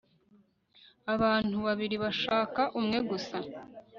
abantu babiri bashaka umwe gusa